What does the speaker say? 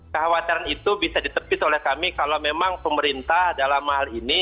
kekhawatiran itu bisa ditepis oleh kami kalau memang pemerintah dalam hal ini